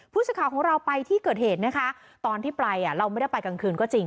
ผู้สื่อข่าวของเราไปที่เกิดเหตุนะคะตอนที่ไปเราไม่ได้ไปกลางคืนก็จริง